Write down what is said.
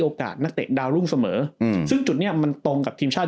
นักเตะดาวรุ่งเสมออืมซึ่งจุดเนี้ยมันตรงกับทีมชาติ